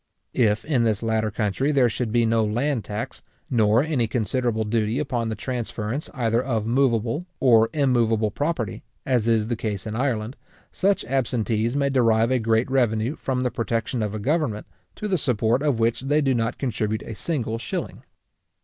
If in this latter country there should be no land tax, nor any considerable duty upon the transference either of moveable or immoveable property, as is the case in Ireland, such absentees may derive a great revenue from the protection of a government, to the support of which they do not contribute a single shilling.